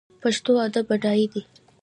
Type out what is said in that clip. پښتو ادب بډای دی